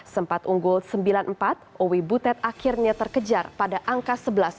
sempat unggul sembilan empat owe butet akhirnya terkejar pada angka sebelas sepuluh